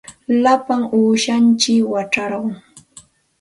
Lapa uushantsikmi wacharqun.